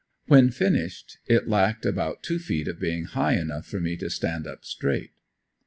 When finished it lacked about two feet of being high enough for me to stand up straight.